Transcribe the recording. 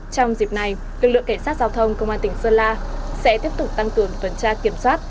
trong dịp này lực lượng cảnh sát giao thông công an tỉnh sơn la sẽ tiếp tục tăng cường tuần tra kiểm soát